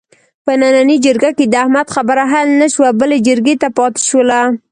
په نننۍ جرګه کې د احمد خبره حل نشوه، بلې جرګې ته پاتې شوله.